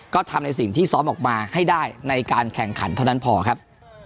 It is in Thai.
ก็ทำในสิ่งที่ซ้อมออกมาให้ได้ในการแข่งขันเท่านั้นพอครับ